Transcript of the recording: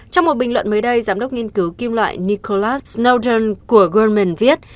trong một bình luận mới đây giám đốc nghiên cứu kim loại nicholas snowden của goldman viết